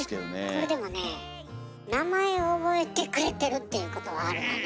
これでもね名前覚えてくれてるっていうことはあるわね。